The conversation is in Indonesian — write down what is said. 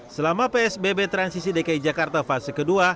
selama psbb transisi dki jakarta fase ke dua